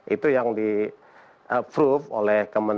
itu yang pertama